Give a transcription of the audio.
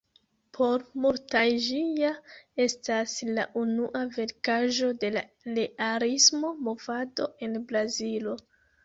Por multaj ĝi ja estas la unua verkaĵo de la realismo movado en Brazilo.